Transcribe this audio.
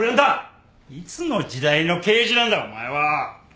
いつの時代の刑事なんだお前は！